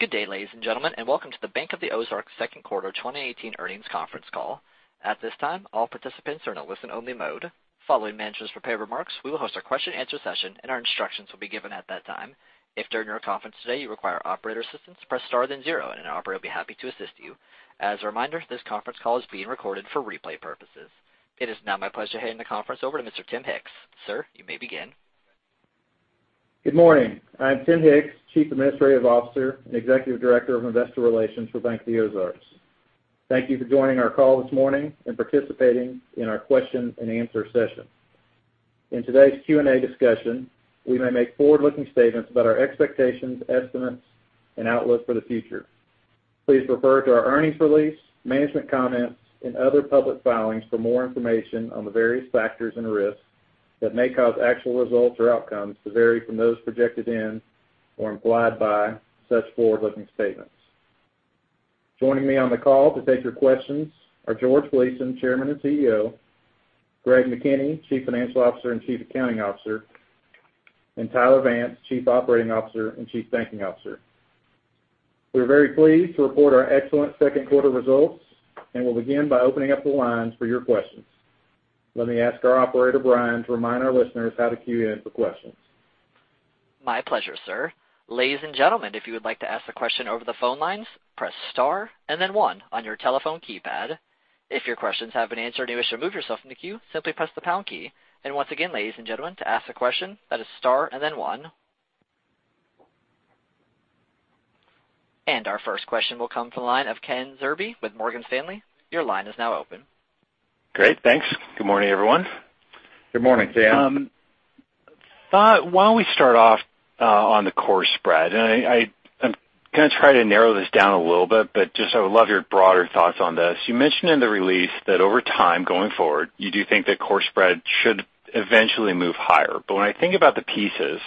Good day, ladies and gentlemen, and welcome to the Bank of the Ozarks second quarter 2018 earnings conference call. At this time, all participants are in a listen-only mode. Following management's prepared remarks, we will host a question and answer session, and our instructions will be given at that time. If during our conference today you require operator assistance, press star then zero, and an operator will be happy to assist you. As a reminder, this conference call is being recorded for replay purposes. It is now my pleasure to hand the conference over to Mr. Tim Hicks. Sir, you may begin. Good morning. I'm Tim Hicks, Chief Administrative Officer and Executive Director of Investor Relations for Bank of the Ozarks. Thank you for joining our call this morning and participating in our question and answer session. In today's Q&A discussion, we may make forward-looking statements about our expectations, estimates, and outlook for the future. Please refer to our earnings release, management comments, and other public filings for more information on the various factors and risks that may cause actual results or outcomes to vary from those projected in or implied by such forward-looking statements. Joining me on the call to take your questions are George Gleason, Chairman and CEO, Greg McKinney, Chief Financial Officer and Chief Accounting Officer, and Tyler Vance, Chief Operating Officer and Chief Banking Officer. We're very pleased to report our excellent second quarter results, and we'll begin by opening up the lines for your questions. Let me ask our operator, Brian, to remind our listeners how to queue in for questions. My pleasure, sir. Ladies and gentlemen, if you would like to ask a question over the phone lines, press star and then one on your telephone keypad. If your questions have been answered and you wish to remove yourself from the queue, simply press the pound key. Once again, ladies and gentlemen, to ask a question, that is star and then one. Our first question will come from the line of Ken Zerbe with Morgan Stanley. Your line is now open. Great. Thanks. Good morning, everyone. Good morning, Ken. Why don't we start off on the core spread. I'm going to try to narrow this down a little bit, but just I would love your broader thoughts on this. You mentioned in the release that over time, going forward, you do think that core spread should eventually move higher. When I think about the pieces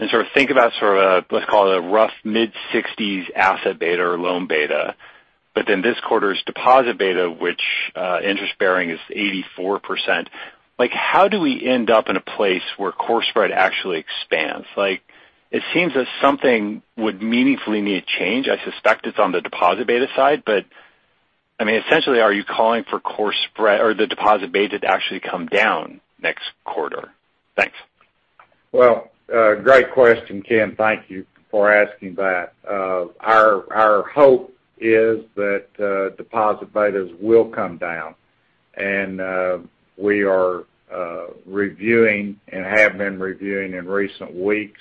and sort of think about sort of a, let's call it, a rough mid-sixties asset beta or loan beta, then this quarter's deposit beta, which interest-bearing is 84%, how do we end up in a place where core spread actually expands? It seems that something would meaningfully need change. I suspect it's on the deposit beta side, but essentially, are you calling for core spread or the deposit beta to actually come down next quarter? Thanks. Well, great question, Ken. Thank you for asking that. Our hope is that deposit betas will come down. We are reviewing, and have been reviewing in recent weeks,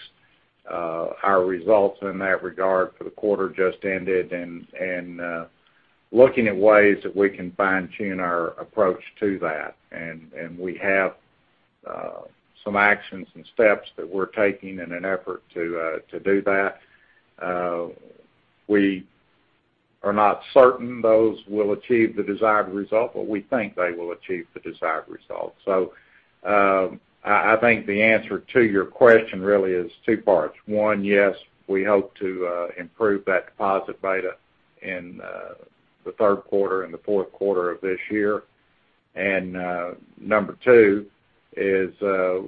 our results in that regard for the quarter just ended and looking at ways that we can fine-tune our approach to that. We have some actions and steps that we're taking in an effort to do that. We are not certain those will achieve the desired result, but we think they will achieve the desired result. I think the answer to your question really is two parts. One, yes, we hope to improve that deposit beta in the third quarter and the fourth quarter of this year. Number two is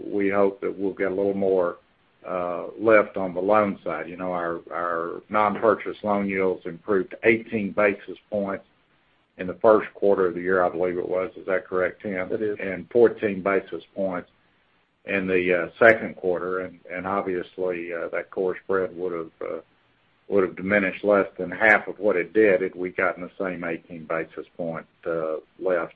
we hope that we'll get a little more lift on the loan side. Our non-purchase loan yields improved 18 basis points in the first quarter of the year, I believe it was. Is that correct, Tim? That is. 14 basis points in the second quarter. Obviously, that core spread would've diminished less than half of what it did if we'd gotten the same 18 basis point lift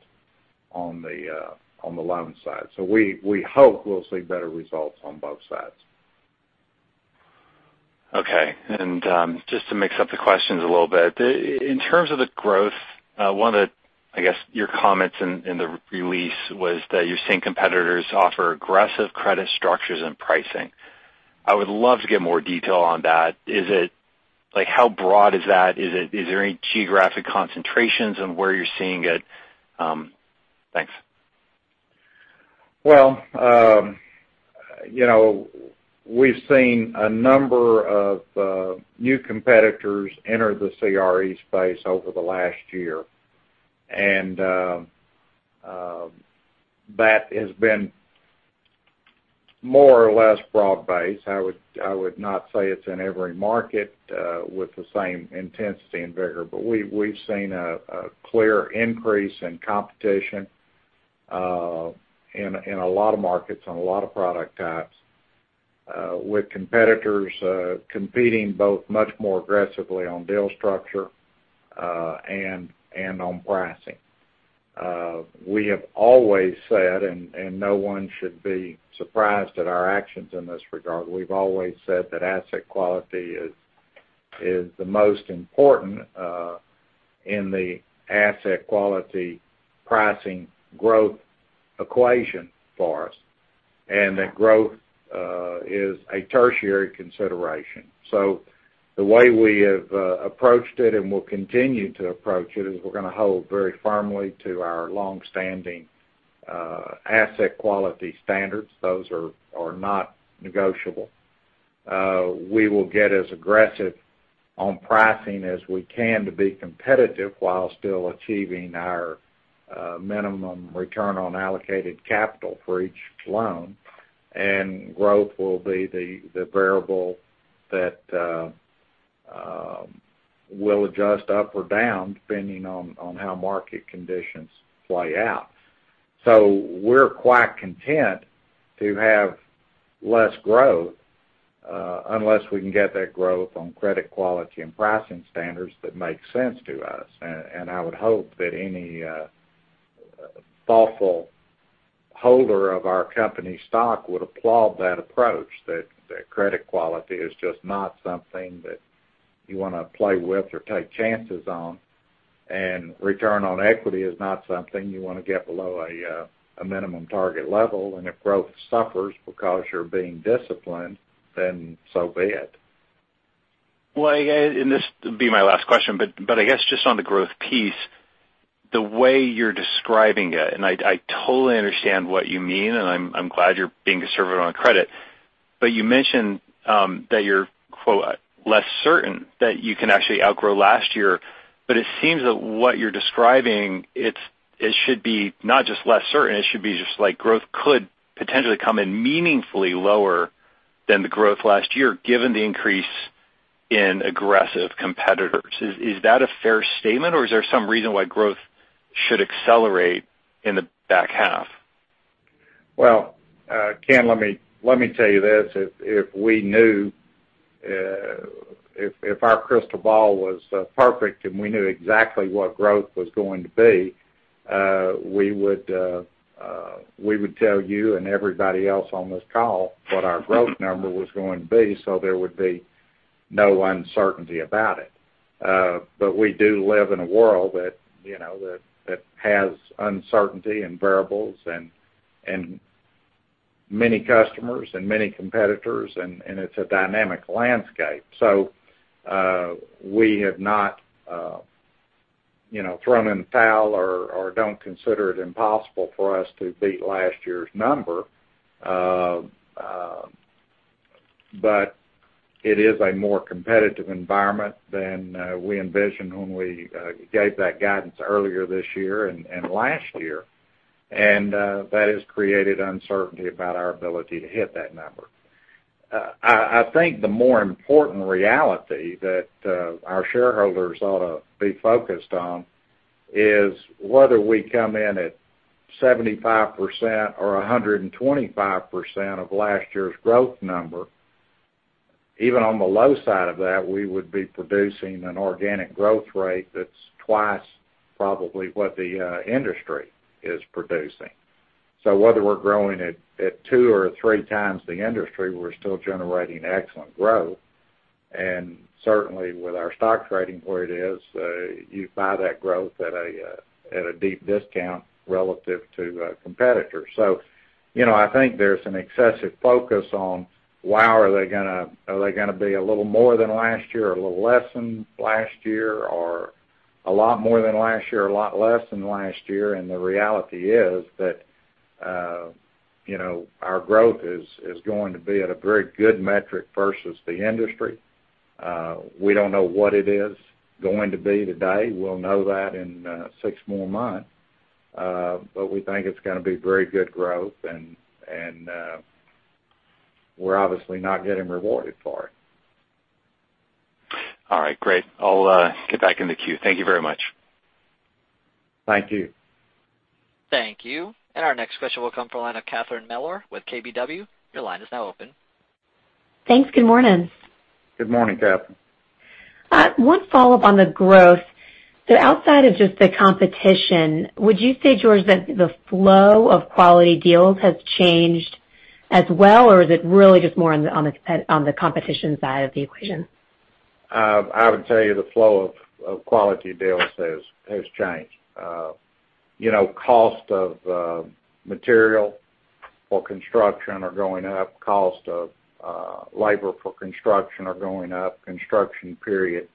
on the loan side. We hope we'll see better results on both sides. Okay. Just to mix up the questions a little bit. In terms of the growth, one of, I guess, your comments in the release was that you're seeing competitors offer aggressive credit structures and pricing. I would love to get more detail on that. How broad is that? Is there any geographic concentrations on where you're seeing it? Thanks. We've seen a number of new competitors enter the CRE space over the last year. That has been more or less broad-based. I would not say it's in every market with the same intensity and vigor. We've seen a clear increase in competition in a lot of markets on a lot of product types with competitors competing both much more aggressively on deal structure and on pricing. We have always said, no one should be surprised at our actions in this regard. We've always said that asset quality is the most important in the asset quality pricing growth equation for us. That growth is a tertiary consideration. The way we have approached it and will continue to approach it is we're going to hold very firmly to our longstanding asset quality standards. Those are not negotiable. We will get as aggressive on pricing as we can to be competitive while still achieving our minimum return on allocated capital for each loan. Growth will be the variable that will adjust up or down depending on how market conditions play out. We're quite content to have less growth, unless we can get that growth on credit quality and pricing standards that make sense to us. I would hope that any thoughtful holder of our company stock would applaud that approach, that credit quality is just not something that you want to play with or take chances on. Return on equity is not something you want to get below a minimum target level, if growth suffers because you're being disciplined, then so be it. This will be my last question, I guess just on the growth piece, the way you're describing it. I totally understand what you mean. I'm glad you're being conservative on credit, you mentioned that you're "less certain" that you can actually outgrow last year, it seems that what you're describing, it should be not just less certain, it should be just like growth could potentially come in meaningfully lower than the growth last year, given the increase in aggressive competitors. Is that a fair statement, is there some reason why growth should accelerate in the back half? Ken, let me tell you this. If our crystal ball was perfect and we knew exactly what growth was going to be, we would tell you and everybody else on this call what our growth number was going to be, there would be no uncertainty about it. We do live in a world that has uncertainty and variables and many customers and many competitors, it's a dynamic landscape. We have not thrown in the towel or don't consider it impossible for us to beat last year's number, it is a more competitive environment than we envisioned when we gave that guidance earlier this year and last year. That has created uncertainty about our ability to hit that number. I think the more important reality that our shareholders ought to be focused on is whether we come in at 75% or 125% of last year's growth number. Even on the low side of that, we would be producing an organic growth rate that's twice probably what the industry is producing. Whether we're growing at two or three times the industry, we're still generating excellent growth. Certainly, with our stock trading where it is, you buy that growth at a deep discount relative to competitors. I think there's an excessive focus on are they going to be a little more than last year or a little less than last year, or a lot more than last year or a lot less than last year? The reality is that our growth is going to be at a very good metric versus the industry. We don't know what it is going to be today. We'll know that in six more months. We think it's going to be very good growth, we're obviously not getting rewarded for it. All right. Great. I'll get back in the queue. Thank you very much. Thank you. Thank you. Our next question will come from the line of Catherine Mealor with KBW. Your line is now open. Thanks. Good morning. Good morning, Catherine. One follow-up on the growth. Outside of just the competition, would you say, George, that the flow of quality deals has changed as well, or is it really just more on the competition side of the equation? I would tell you the flow of quality deals has changed. Cost of material for construction are going up, cost of labor for construction are going up, construction period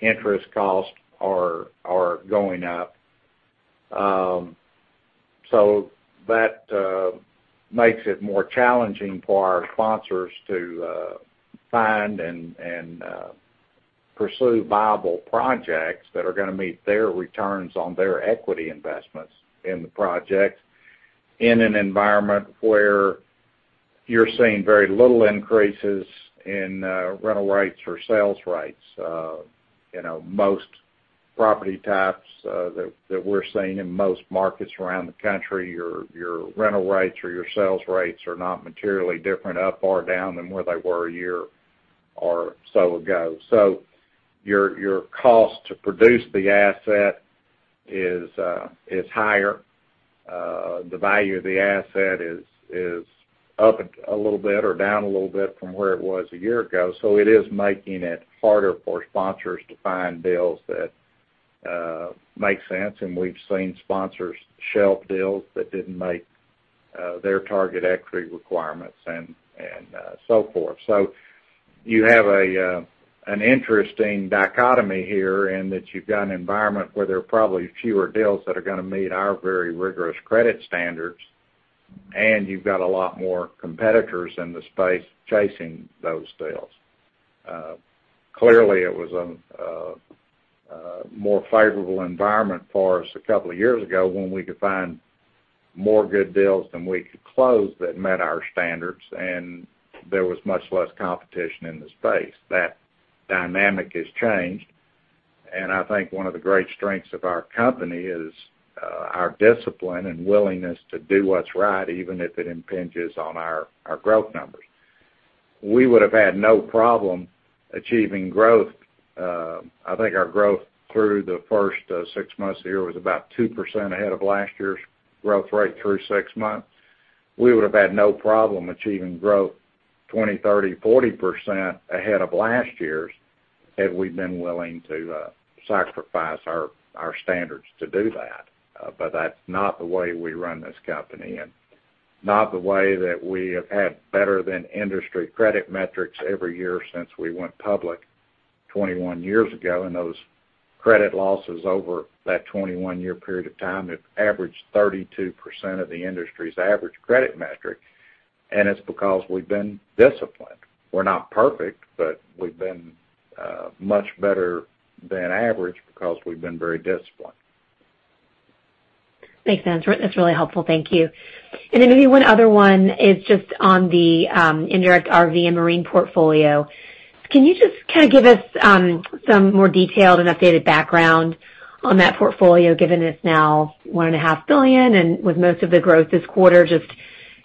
interest costs are going up. That makes it more challenging for our sponsors to find and pursue viable projects that are going to meet their returns on their equity investments in the project in an environment where you're seeing very little increases in rental rates or sales rates. Most property types that we're seeing in most markets around the country, your rental rates or your sales rates are not materially different up or down than where they were a year or so ago. Your cost to produce the asset is higher. The value of the asset is up a little bit or down a little bit from where it was a year ago. It is making it harder for sponsors to find deals that make sense, and we've seen sponsors shelf deals that didn't make their target equity requirements and so forth. You have an interesting dichotomy here in that you've got an environment where there are probably fewer deals that are going to meet our very rigorous credit standards, and you've got a lot more competitors in the space chasing those deals. Clearly it was a more favorable environment for us a couple of years ago when we could find more good deals than we could close that met our standards, and there was much less competition in the space. That dynamic has changed, and I think one of the great strengths of our company is our discipline and willingness to do what's right, even if it impinges on our growth numbers. We would have had no problem achieving growth. I think our growth through the first six months of the year was about 2% ahead of last year's growth rate through six months. We would have had no problem achieving growth 20%, 30%, 40% ahead of last year's had we been willing to sacrifice our standards to do that. That's not the way we run this company and not the way that we have had better-than-industry credit metrics every year since we went public 21 years ago, and those credit losses over that 21-year period of time have averaged 32% of the industry's average credit metric. It's because we've been disciplined. We're not perfect, but we've been much better than average because we've been very disciplined. Makes sense. That's really helpful. Thank you. Then maybe one other one is just on the indirect RV and marine portfolio. Can you just kind of give us some more detailed and updated background on that portfolio, given it's now $1.5 billion and with most of the growth this quarter, just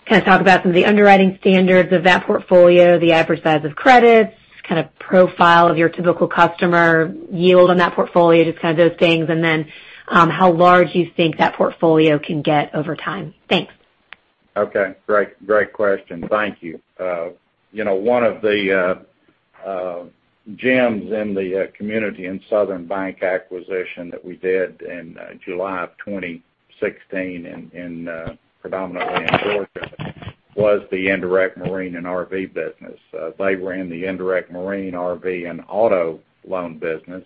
kind of talk about some of the underwriting standards of that portfolio, the average size of credits, kind of profile of your typical customer yield on that portfolio, just kind of those things, and then how large you think that portfolio can get over time. Thanks. Okay, great question. Thank you. One of the gems in the Community & Southern Bank acquisition that we did in July of 2016 predominantly in Georgia was the indirect marine and RV business. They ran the indirect marine, RV, and auto loan business.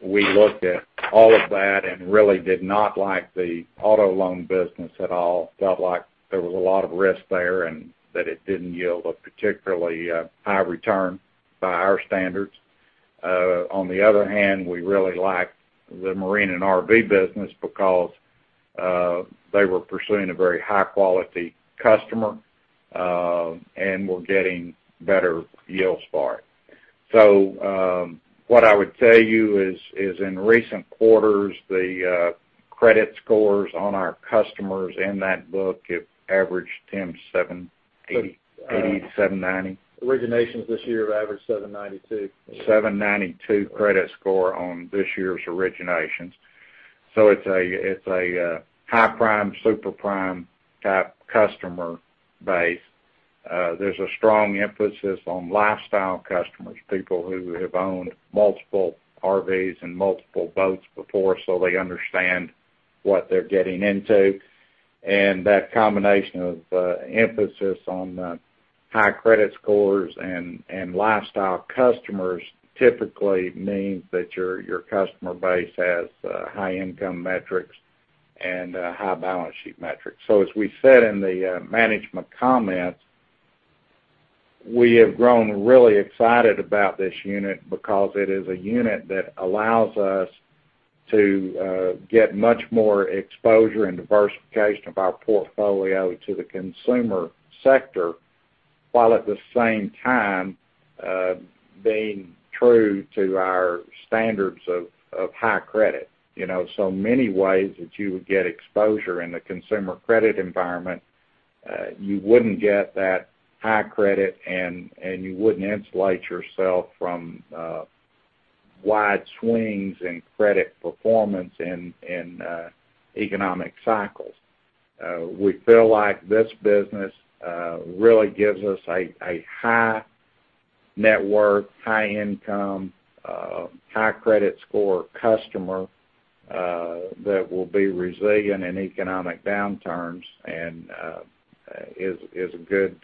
We looked at all of that and really did not like the auto loan business at all. Felt like there was a lot of risk there, and that it didn't yield a particularly high return by our standards. On the other hand, we really liked the marine and RV business because they were pursuing a very high-quality customer and were getting better yields for it. What I would tell you is, in recent quarters, the credit scores on our customers in that book have averaged, Tim, 780, 790? Originations this year have averaged 792. 792 credit score on this year's originations. It's a high-prime, super prime type customer base. There's a strong emphasis on lifestyle customers, people who have owned multiple RVs and multiple boats before, so they understand what they're getting into. That combination of emphasis on high credit scores and lifestyle customers typically means that your customer base has high-income metrics and high balance sheet metrics. As we said in the management comments, we have grown really excited about this unit because it is a unit that allows us to get much more exposure and diversification of our portfolio to the consumer sector, while at the same time being true to our standards of high credit. Many ways that you would get exposure in the consumer credit environment, you wouldn't get that high credit, and you wouldn't insulate yourself from wide swings in credit performance in economic cycles. We feel like this business really gives us a high net worth, high income, high credit score customer that will be resilient in economic downturns and is a good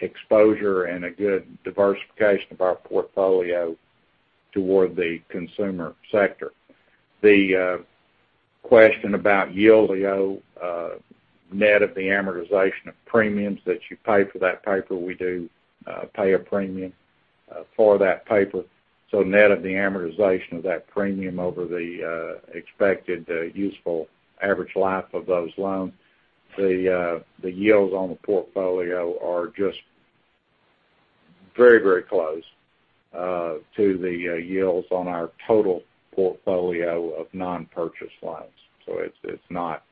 exposure and a good diversification of our portfolio toward the consumer sector. The question about yield, the net of the amortization of premiums that you pay for that paper, we do pay a premium for that paper. Net of the amortization of that premium over the expected useful average life of those loans, the yields on the portfolio are just very close to the yields on our total portfolio of non-purchase loans. It's not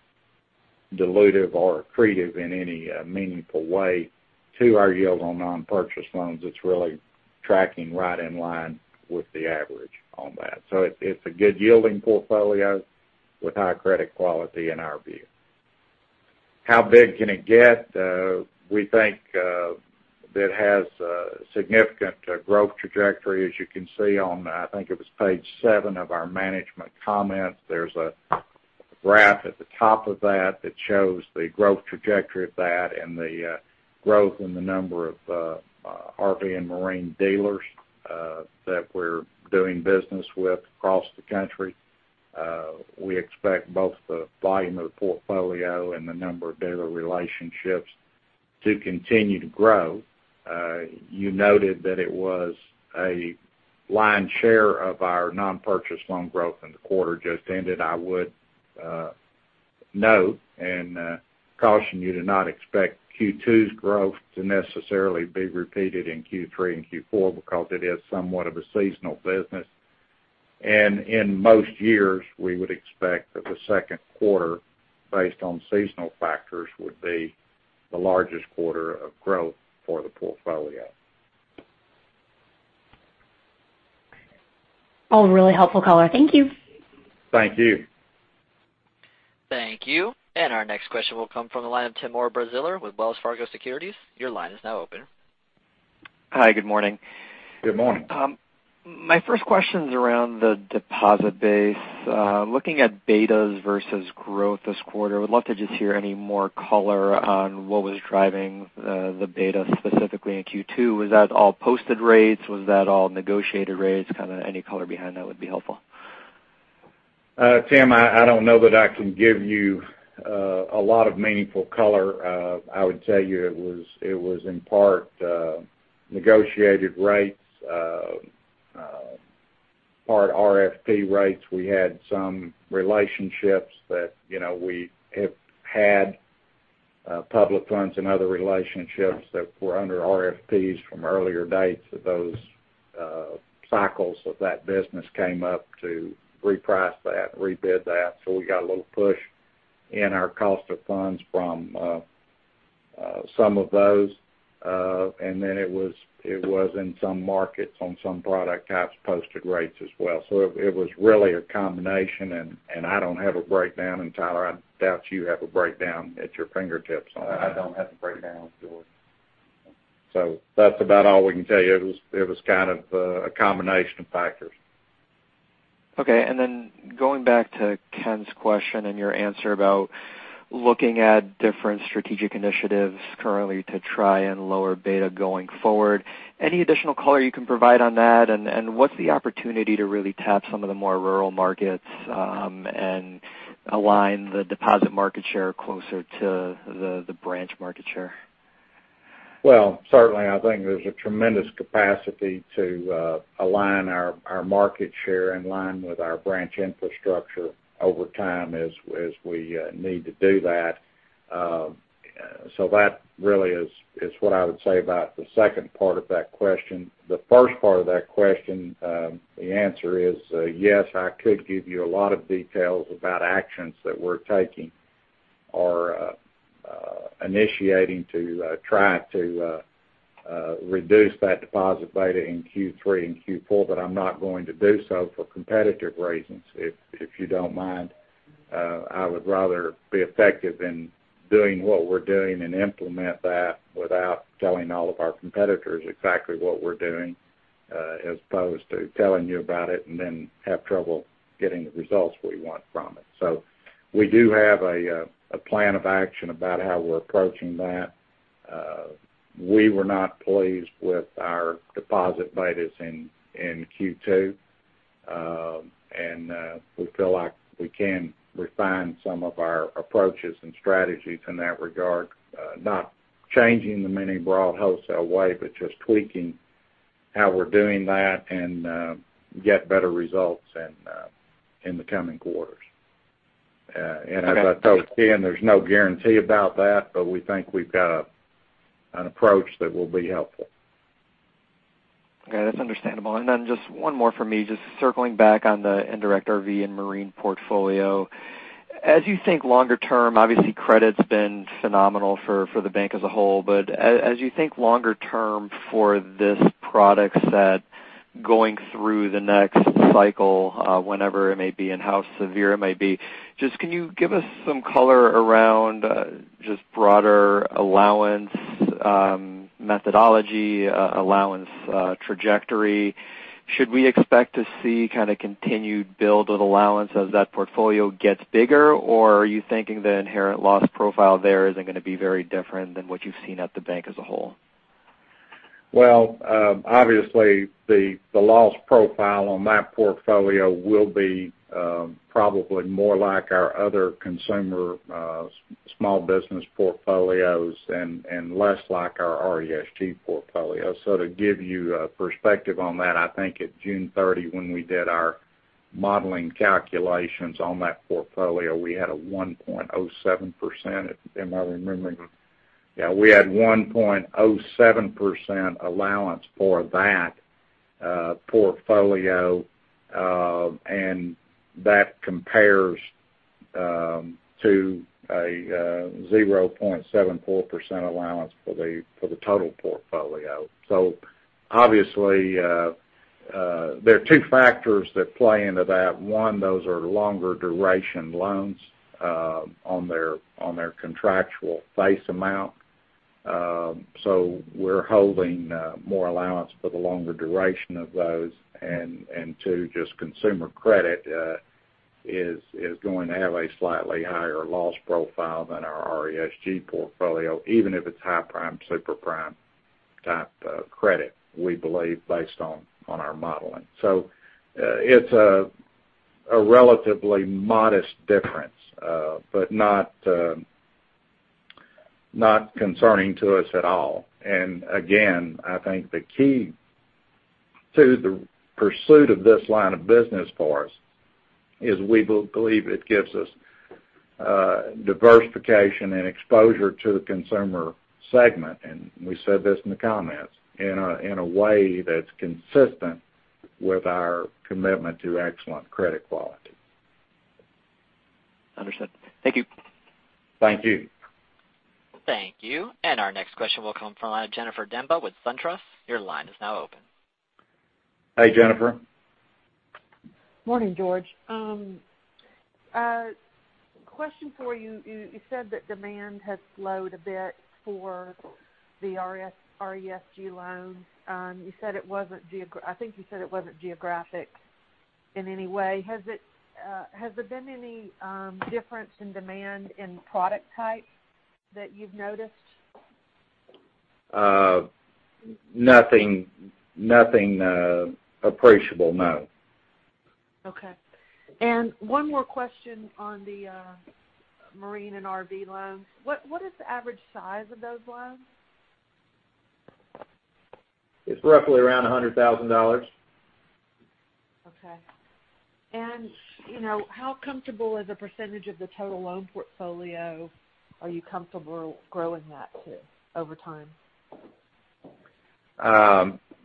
dilutive or accretive in any meaningful way to our yield on non-purchase loans. It's really tracking right in line with the average on that. It's a good yielding portfolio with high credit quality in our view. How big can it get? We think that has a significant growth trajectory. As you can see on, I think it was page seven of our management comments. There's a graph at the top of that that shows the growth trajectory of that and the growth in the number of RV and marine dealers that we're doing business with across the country. We expect both the volume of the portfolio and the number of dealer relationships to continue to grow. You noted that it was a lion's share of our non-purchase loan growth in the quarter just ended. I would note and caution you to not expect Q2's growth to necessarily be repeated in Q3 and Q4 because it is somewhat of a seasonal business. In most years, we would expect that the second quarter, based on seasonal factors, would be the largest quarter of growth for the portfolio. Really helpful color. Thank you. Thank you. Thank you. Our next question will come from the line of Timur Braziler with Wells Fargo Securities. Your line is now open. Hi, good morning. Good morning. My first question is around the deposit base. Looking at betas versus growth this quarter, would love to just hear any more color on what was driving the beta, specifically in Q2. Was that all posted rates? Was that all negotiated rates? Kind of any color behind that would be helpful. Tim, I don't know that I can give you a lot of meaningful color. I would tell you it was in part negotiated rates, part RFP rates. We had some relationships that we have had public funds and other relationships that were under RFPs from earlier dates that those cycles of that business came up to reprice that, rebid that. We got a little push in our cost of funds from some of those. Then it was in some markets on some product types, posted rates as well. It was really a combination, and I don't have a breakdown. Tyler, I doubt you have a breakdown at your fingertips on that. I don't have the breakdown, George. That's about all we can tell you. It was kind of a combination of factors. Okay. Going back to Ken's question and your answer about looking at different strategic initiatives currently to try and lower beta going forward, any additional color you can provide on that? What's the opportunity to really tap some of the more rural markets, and align the deposit market share closer to the branch market share? Well, certainly, I think there's a tremendous capacity to align our market share in line with our branch infrastructure over time as we need to do that. That really is what I would say about the second part of that question. The first part of that question, the answer is yes, I could give you a lot of details about actions that we're taking or initiating to try to reduce that deposit beta in Q3 and Q4, I'm not going to do so for competitive reasons, if you don't mind. I would rather be effective in doing what we're doing and implement that without telling all of our competitors exactly what we're doing, as opposed to telling you about it and then have trouble getting the results we want from it. We do have a plan of action about how we're approaching that. We were not pleased with our deposit betas in Q2. We feel like we can refine some of our approaches and strategies in that regard. Not changing them in any broad wholesale way, but just tweaking how we're doing that and get better results in the coming quarters. As I told Ken, there's no guarantee about that, but we think we've got an approach that will be helpful. Okay. That's understandable. Just one more for me, just circling back on the indirect RV and marine portfolio. As you think longer term, obviously credit's been phenomenal for the bank as a whole, but as you think longer term for this product set going through the next cycle, whenever it may be and how severe it might be, just can you give us some color around just broader allowance methodology, allowance trajectory? Should we expect to see kind of continued build with allowance as that portfolio gets bigger, or are you thinking the inherent loss profile there isn't going to be very different than what you've seen at the bank as a whole? Well, obviously the loss profile on that portfolio will be probably more like our other consumer small business portfolios and less like our RESG portfolio. To give you a perspective on that, I think at June 30, when we did our modeling calculations on that portfolio, we had a 1.07%. Am I remembering? Yeah, we had 1.07% allowance for that portfolio, and that compares to a 0.74% allowance for the total portfolio. Obviously, there are two factors that play into that. One, those are longer duration loans on their contractual face amount. So we're holding more allowance for the longer duration of those. Two, just consumer credit is going to have a slightly higher loss profile than our RESG portfolio, even if it's high prime, super prime type credit, we believe based on our modeling. It's a relatively modest difference, but not concerning to us at all. Again, I think the key to the pursuit of this line of business for us is we believe it gives us diversification and exposure to the consumer segment, and we said this in the comments, in a way that's consistent with our commitment to excellent credit quality. Understood. Thank you. Thank you. Thank you. Our next question will come from the line of Jennifer Demba with SunTrust. Your line is now open. Hey, Jennifer. Morning, George. Question for you. You said that demand has slowed a bit for the RESG loans. I think you said it wasn't geographic in any way. Has there been any difference in demand in product type that you've noticed? Nothing appreciable, no. Okay. One more question on the marine and RV loans. What is the average size of those loans? It's roughly around $100,000. Okay. How comfortable as a percentage of the total loan portfolio are you comfortable growing that to over time?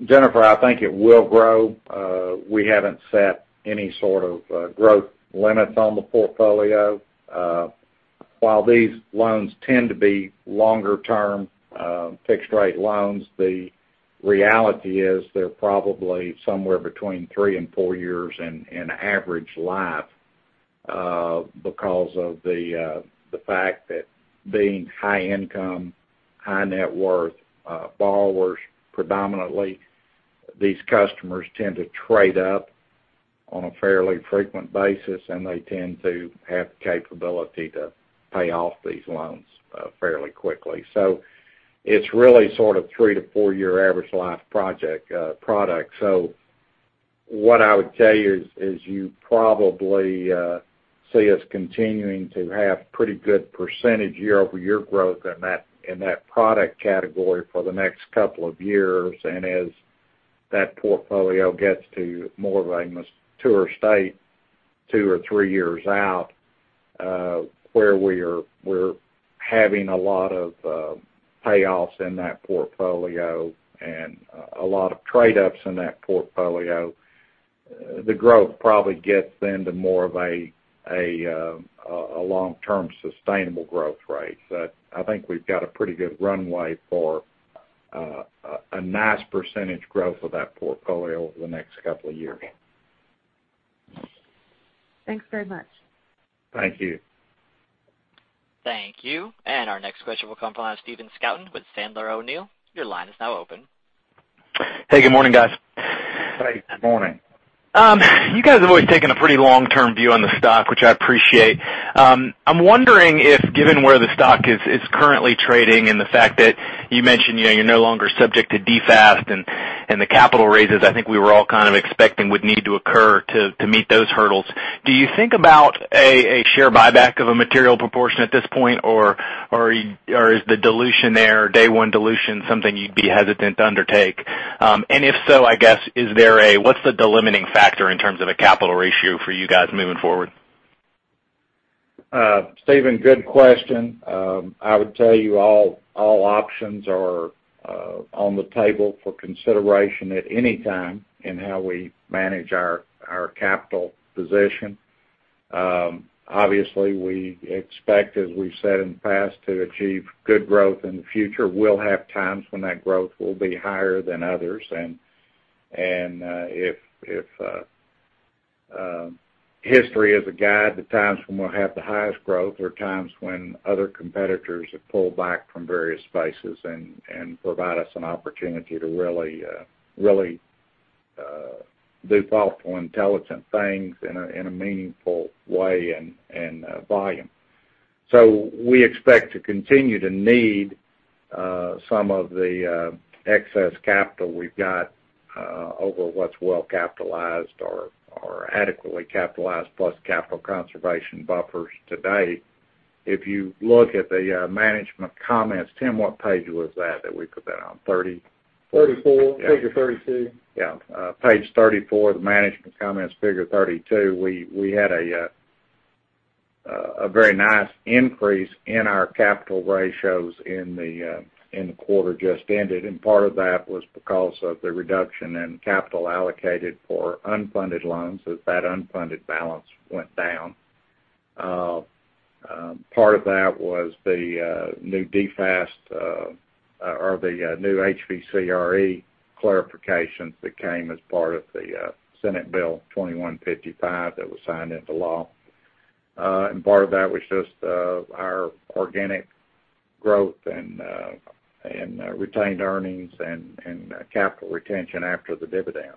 Jennifer, I think it will grow. We haven't set any sort of growth limits on the portfolio. While these loans tend to be longer term, fixed rate loans, the reality is they're probably somewhere between three and four years in average life because of the fact that being high income, high net worth borrowers predominantly, these customers tend to trade up on a fairly frequent basis, and they tend to have the capability to pay off these loans fairly quickly. It's really sort of three to four year average life product. What I would tell you is you probably see us continuing to have pretty good percentage year-over-year growth in that product category for the next couple of years. As that portfolio gets to more of a mature state, two or three years out, where we're having a lot of payoffs in that portfolio and a lot of trade ups in that portfolio, the growth probably gets then to more of a long-term sustainable growth rate. I think we've got a pretty good runway for a nice percentage growth of that portfolio over the next couple of years. Thanks very much. Thank you. Thank you. Our next question will come from Stephen Scouten with Sandler O'Neill. Your line is now open. Hey, good morning, guys. Hey, good morning. You guys have always taken a pretty long-term view on the stock, which I appreciate. I'm wondering if, given where the stock is currently trading and the fact that you mentioned you're no longer subject to DFAST and the capital raises I think we were all kind of expecting would need to occur to meet those hurdles. Do you think about a share buyback of a material proportion at this point, or is the dilution there, day one dilution, something you'd be hesitant to undertake? If so, I guess, what's the delimiting factor in terms of a capital ratio for you guys moving forward? Stephen, good question. I would tell you all options are on the table for consideration at any time in how we manage our capital position. Obviously, we expect, as we've said in the past, to achieve good growth in the future. We'll have times when that growth will be higher than others. If history is a guide, the times when we'll have the highest growth are times when other competitors have pulled back from various spaces and provide us an opportunity to really do thoughtful, intelligent things in a meaningful way and volume. We expect to continue to need some of the excess capital we've got over what's well capitalized or adequately capitalized, plus capital conservation buffers to date. If you look at the management comments, Tim, what page was that we put that on, 30? 34. Figure 32. Yeah. Page 34, the management comments, figure 32. We had a very nice increase in our capital ratios in the quarter just ended, and part of that was because of the reduction in capital allocated for unfunded loans as that unfunded balance went down. Part of that was the new DFAST or the new HVCRE clarifications that came as part of the Senate Bill 2155 that was signed into law. Part of that was just our organic growth and retained earnings and capital retention after the dividend.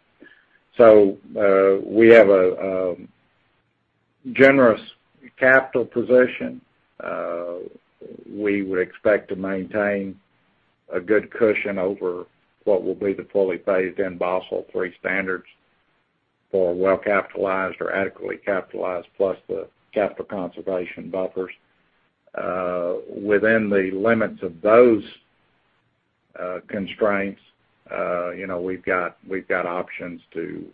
We have a generous capital position. We would expect to maintain a good cushion over what will be the fully phased-in Basel III standards for well-capitalized or adequately capitalized, plus the capital conservation buffers. Within the limits of those constraints, we've got options to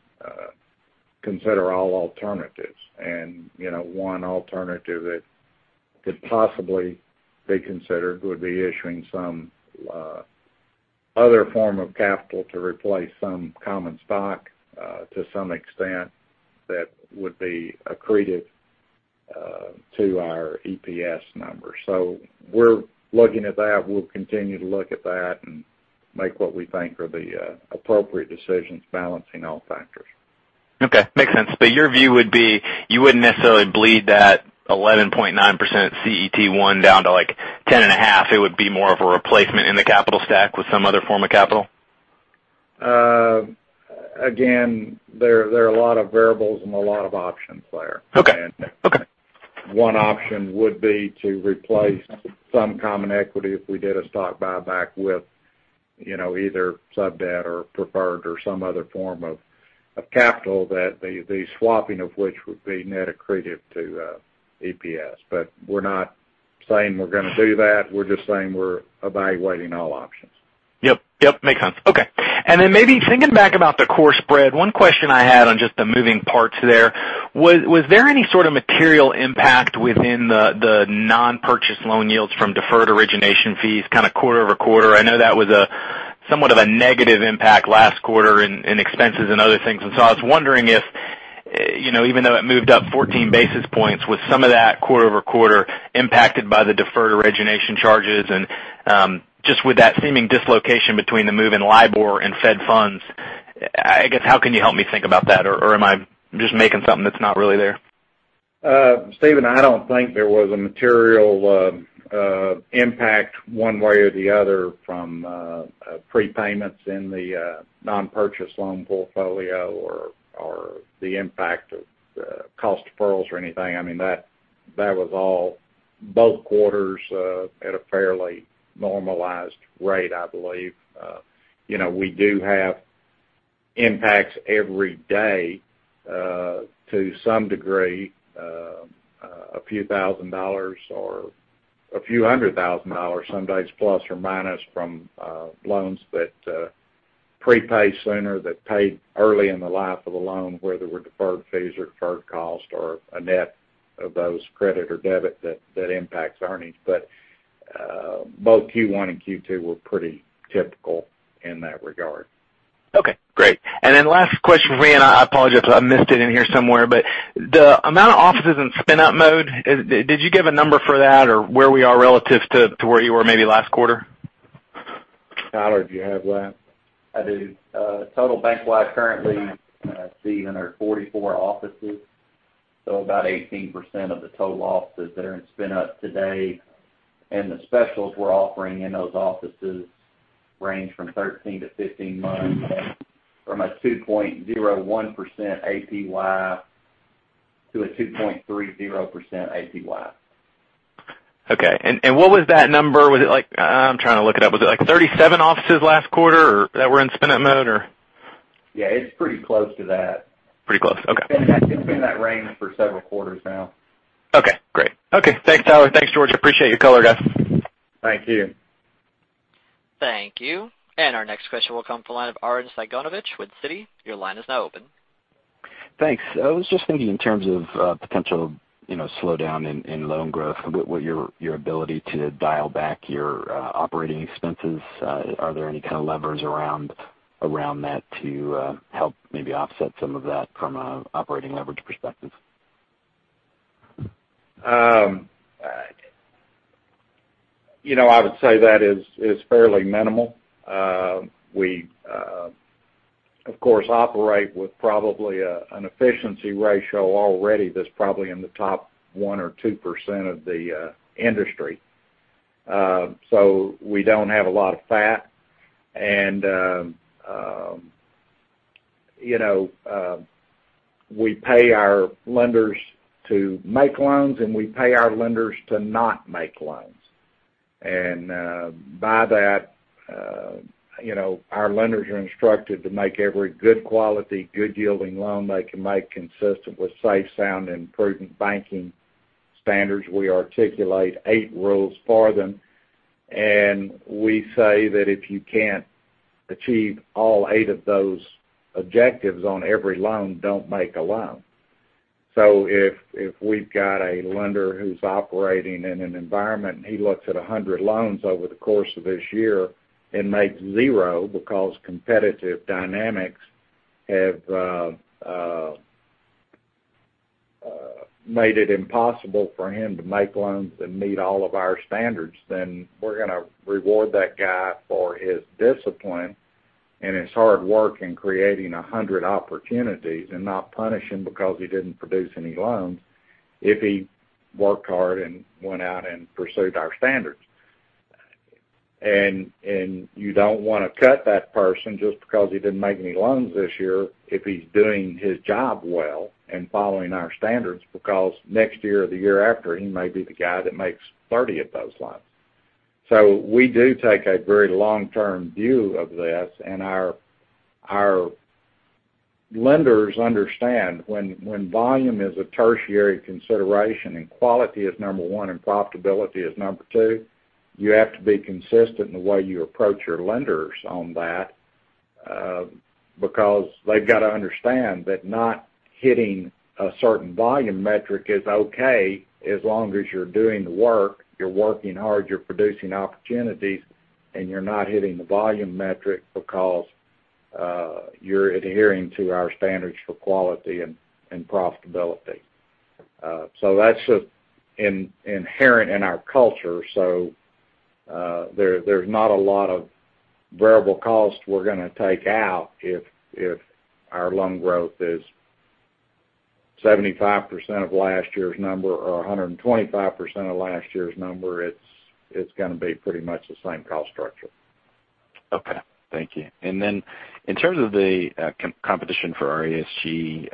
consider all alternatives. One alternative that could possibly be considered would be issuing some other form of capital to replace some common stock to some extent that would be accretive to our EPS. We're looking at that. We'll continue to look at that and make what we think are the appropriate decisions, balancing all factors. Okay. Makes sense. Your view would be, you wouldn't necessarily bleed that 11.9% CET1 down to 10.5%. It would be more of a replacement in the capital stack with some other form of capital? Again, there are a lot of variables and a lot of options there. Okay. One option would be to replace some common equity if we did a stock buyback with either sub-debt or preferred or some other form of capital, the swapping of which would be net accretive to EPS. We're not saying we're going to do that. We're just saying we're evaluating all options. Yep. Makes sense. Okay. Maybe thinking back about the core spread, one question I had on just the moving parts there, was there any sort of material impact within the non-purchase loan yields from deferred origination fees kind of quarter-over-quarter? I know that was somewhat of a negative impact last quarter in expenses and other things. I was wondering if, even though it moved up 14 basis points, was some of that quarter-over-quarter impacted by the deferred origination charges and just with that seeming dislocation between the move in LIBOR and Fed funds. I guess, how can you help me think about that? Or am I just making something that's not really there? Stephen, I don't think there was a material impact one way or the other from prepayments in the non-purchase loan portfolio or the impact of cost deferrals or anything. That was all both quarters at a fairly normalized rate, I believe. We do have impacts every day, to some degree, a few thousand dollars or a few hundred thousand dollars some days, plus or minus from loans that prepay sooner, that paid early in the life of the loan, whether we're deferred fees or deferred cost or a net of those credit or debit that impacts earnings. Both Q1 and Q2 were pretty typical in that regard. Okay, great. Last question for me, and I apologize if I missed it in here somewhere, but the amount of offices in spin-up mode, did you give a number for that or where we are relative to where you were maybe last quarter? Tyler, do you have that? I do. Total bank-wide currently, I see under 44 offices. About 18% of the total offices that are in spin-up today. The specials we're offering in those offices range from 13 to 15 months from a 2.01% APY to a 2.30% APY. Okay. What was that number? I'm trying to look it up. Was it like 37 offices last quarter that were in spin-up mode or? Yeah, it's pretty close to that. Pretty close. Okay. It's been in that range for several quarters now. Okay, great. Okay, thanks, Tyler. Thanks, George. Appreciate your color, guys. Thank you. Thank you. Our next question will come from the line of Arun Ghosh with Citi. Your line is now open. Thanks. I was just thinking in terms of potential slowdown in loan growth, what your ability to dial back your operating expenses. Are there any kind of levers around that to help maybe offset some of that from an operating leverage perspective? I would say that is fairly minimal. We, of course, operate with probably an efficiency ratio already that's probably in the top 1% or 2% of the industry. We don't have a lot of fat. We pay our lenders to make loans, and we pay our lenders to not make loans. By that, our lenders are instructed to make every good quality, good-yielding loan they can make consistent with safe, sound, and prudent banking standards. We articulate eight rules for them. We say that if you can't achieve all eight of those objectives on every loan, don't make a loan. If we've got a lender who's operating in an environment and he looks at 100 loans over the course of this year and makes zero because competitive dynamics have made it impossible for him to make loans and meet all of our standards, then we're going to reward that guy for his discipline and his hard work in creating 100 opportunities and not punish him because he didn't produce any loans if he worked hard and went out and pursued our standards. You don't want to cut that person just because he didn't make any loans this year if he's doing his job well and following our standards because next year or the year after, he may be the guy that makes 30 of those loans. We do take a very long-term view of this, and our Lenders understand when volume is a tertiary consideration and quality is number 1 and profitability is number 2, you have to be consistent in the way you approach your lenders on that, because they've got to understand that not hitting a certain volume metric is okay as long as you're doing the work, you're working hard, you're producing opportunities, and you're not hitting the volume metric because you're adhering to our standards for quality and profitability. That's inherent in our culture. There's not a lot of variable cost we're going to take out if our loan growth is 75% of last year's number or 125% of last year's number. It's going to be pretty much the same cost structure. Okay. Thank you. In terms of the competition for RESG,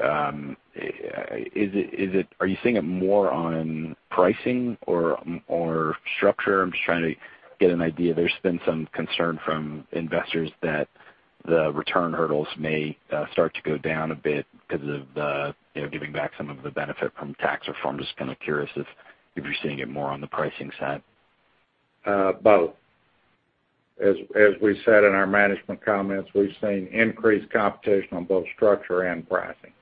are you seeing it more on pricing or structure? I'm just trying to get an idea. There's been some concern from investors that the return hurdles may start to go down a bit because of the giving back some of the benefit from tax reform. Just kind of curious if you're seeing it more on the pricing side. Both. As we said in our management comments, we've seen increased competition on both structure and pricing.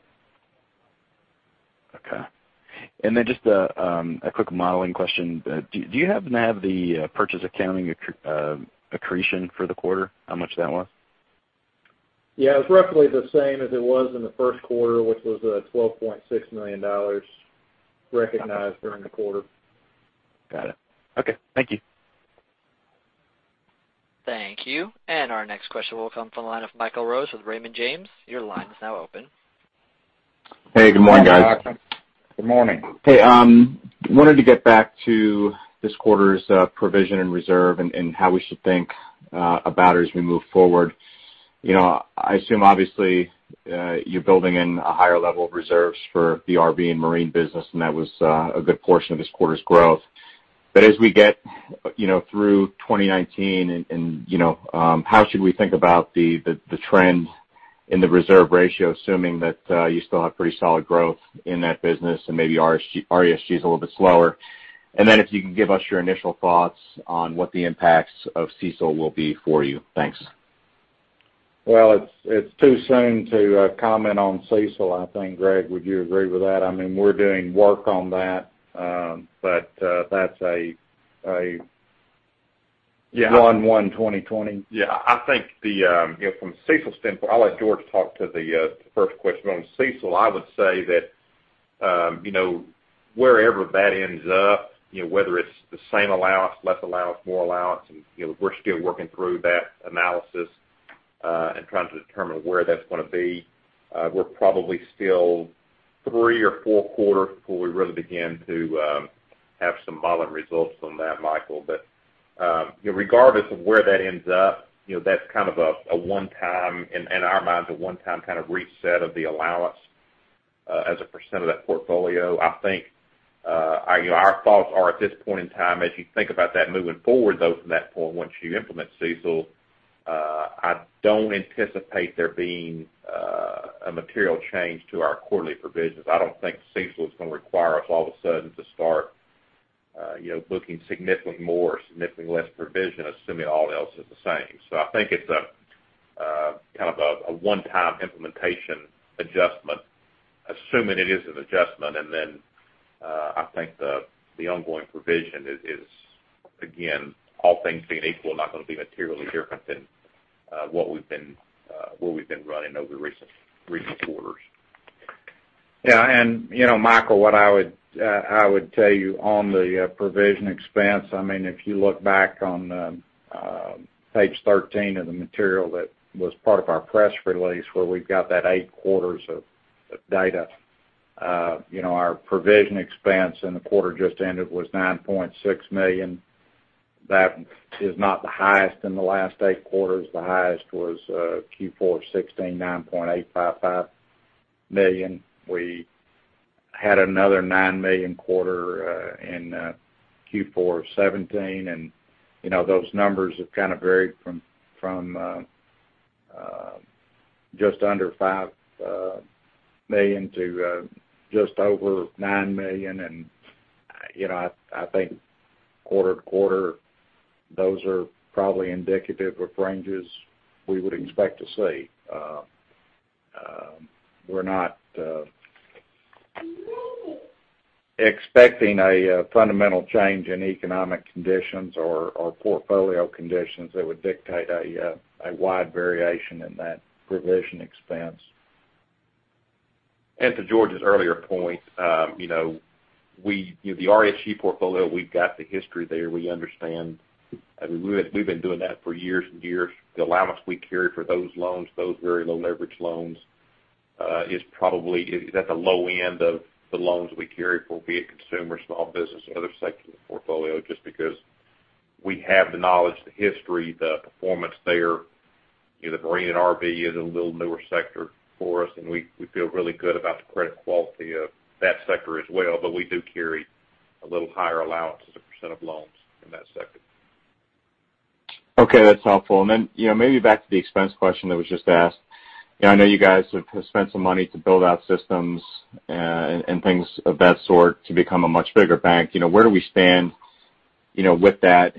Okay. Just a quick modeling question. Do you happen to have the purchase accounting accretion for the quarter, how much that was? Yeah. It was roughly the same as it was in the first quarter, which was $12.6 million recognized during the quarter. Got it. Okay. Thank you. Thank you. Our next question will come from the line of Michael Rose with Raymond James. Your line is now open. Hey, good morning, guys. Good morning. Hey, wanted to get back to this quarter's provision and reserve and how we should think about it as we move forward. I assume, obviously, you're building in a higher level of reserves for the RV and Marine business, and that was a good portion of this quarter's growth. As we get through 2019, how should we think about the trend in the reserve ratio, assuming that you still have pretty solid growth in that business and maybe RESG is a little bit slower? And then if you can give us your initial thoughts on what the impacts of CECL will be for you. Thanks. Well, it's too soon to comment on CECL, I think, Greg, would you agree with that? I mean, we're doing work on that, but that's. Yeah 1/1/2020. Yeah, I think from a CECL standpoint, I'll let George talk to the first question. On CECL, I would say that wherever that ends up, whether it's the same allowance, less allowance, more allowance, and we're still working through that analysis, and trying to determine where that's going to be. We're probably still three or four quarters before we really begin to have some modeling results from that, Michael. Regardless of where that ends up, that's kind of a one-time, in our minds, kind of reset of the allowance, as a % of that portfolio. I think our thoughts are at this point in time, as you think about that moving forward, though, from that point, once you implement CECL, I don't anticipate there being a material change to our quarterly provisions. I don't think CECL is going to require us all of a sudden to start booking significantly more or significantly less provision, assuming all else is the same. I think it's kind of a one-time implementation adjustment, assuming it is an adjustment. I think the ongoing provision is, again, all things being equal, not going to be materially different than where we've been running over recent quarters. Yeah. Michael, what I would tell you on the provision expense, if you look back on page 13 of the material that was part of our press release, where we've got that eight quarters of data. Our provision expense in the quarter just ended was $9.6 million. That is not the highest in the last eight quarters. The highest was Q4 of 2016, $9.855 million. We had another $9 million quarter in Q4 of 2017. Those numbers have kind of varied from just under $5 million to just over $9 million. I think quarter to quarter, those are probably indicative of ranges we would expect to see. We're not expecting a fundamental change in economic conditions or portfolio conditions that would dictate a wide variation in that provision expense. To George's earlier point, the RESG portfolio, we've got the history there. We understand. We've been doing that for years and years. The allowance we carry for those loans, those very low leverage loans, is at the low end of the loans we carry for be it consumer, small business, other sectors of the portfolio, just because we have the knowledge, the history, the performance there. The Marine and RV is a little newer sector for us, and we feel really good about the credit quality of that sector as well. We do carry a little higher allowance as a percent of loans in that sector. Okay, that's helpful. Then maybe back to the expense question that was just asked. I know you guys have spent some money to build out systems and things of that sort to become a much bigger Bank OZK. Where do we stand with that?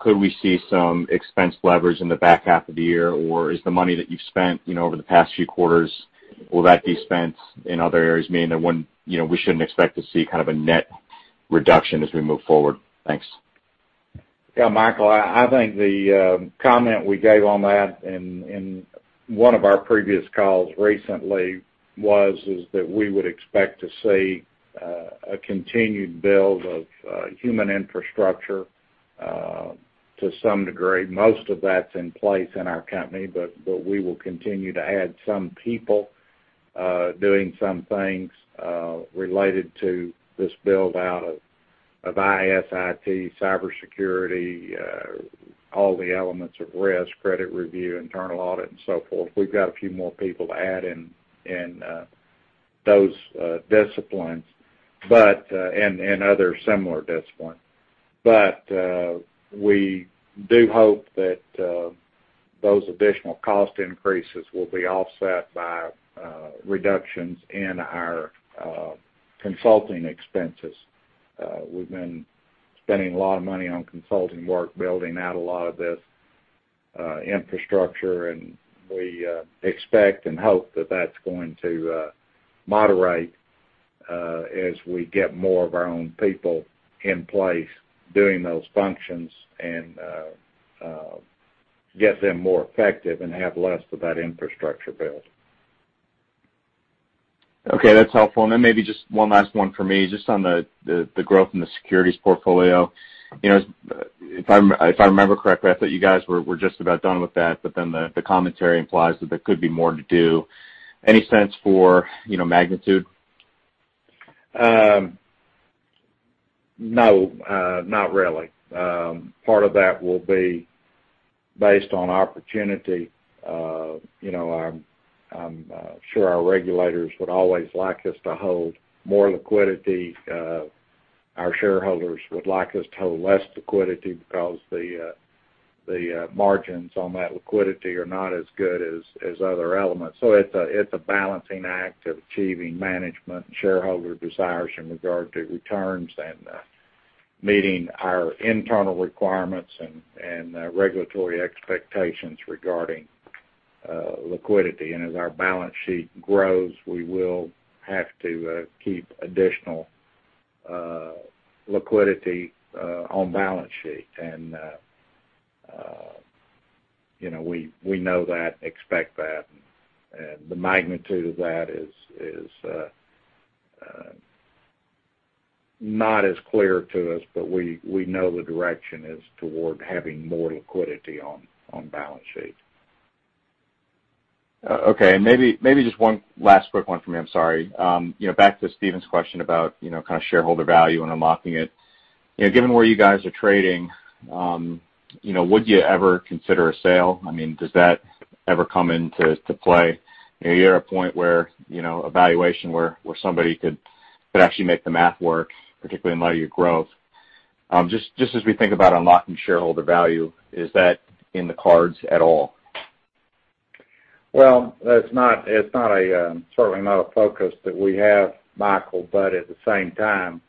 Could we see some expense leverage in the back half of the year? Is the money that you've spent over the past few quarters, will that be spent in other areas, meaning that we shouldn't expect to see kind of a net reduction as we move forward? Thanks. Yeah, Michael, I think the comment we gave on that in one of our previous calls recently was is that we would expect to see a continued build of human infrastructure to some degree. Most of that's in place in our company, but we will continue to add some people doing some things related to this build-out of IS/IT, cybersecurity, all the elements of risk, credit review, internal audit, and so forth. We've got a few more people to add in those disciplines and other similar disciplines. We do hope that those additional cost increases will be offset by reductions in our consulting expenses. We've been spending a lot of money on consulting work, building out a lot of this infrastructure. We expect and hope that that's going to moderate as we get more of our own people in place doing those functions and get them more effective and have less of that infrastructure build. Okay, that's helpful. Maybe just one last one for me, just on the growth in the securities portfolio. If I remember correctly, I thought you guys were just about done with that. The commentary implies that there could be more to do. Any sense for magnitude? No, not really. Part of that will be based on opportunity. I'm sure our regulators would always like us to hold more liquidity. Our shareholders would like us to hold less liquidity because the margins on that liquidity are not as good as other elements. It's a balancing act of achieving management and shareholder desires in regard to returns and meeting our internal requirements and regulatory expectations regarding liquidity. As our balance sheet grows, we will have to keep additional liquidity on balance sheet. We know that, expect that, and the magnitude of that is not as clear to us, we know the direction is toward having more liquidity on balance sheet. Okay, maybe just one last quick one for me. I'm sorry. Back to Stephen question about shareholder value and unlocking it. Given where you guys are trading, would you ever consider a sale? Does that ever come into play? You're at a point where a valuation where somebody could actually make the math work, particularly in light of your growth. Just as we think about unlocking shareholder value, is that in the cards at all? Well, it's certainly not a focus that we have, Michael. At the same time,